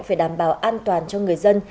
phải đảm bảo an toàn cho người dân